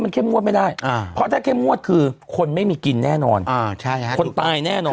มันเห็นว่าไม่ได้พอใช่เงียบมัวคือคนไม่มีกินแน่นอนทักษะเอ่อตายแน่นอน